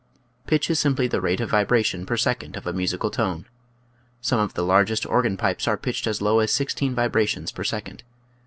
Pitch is simply the rate of vibration per second of a musical tone. Some of the largest organ pipes are pitched as low as sixteen vibrations per second.